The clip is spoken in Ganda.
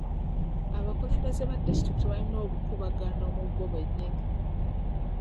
Abakulembeze ba disitulikiti balina obukuubagano mu bo bennyini.